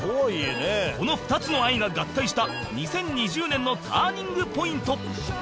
この２つの愛が合体した２０２０年のターニングポイント